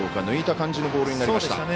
抜いた感じのボールになりました。